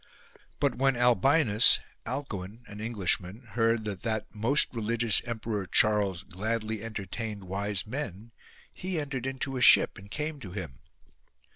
2. But when Albinus (Alcuin), an Englishman, heard that that most religious Emperor Charles gladly entertained wise men, he entered into a ship and came to him.